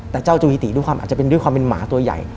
แต่เจ้าจูฮิติด้วยความอาจจะเป็นด้วยความเป็นหมาตัวใหญ่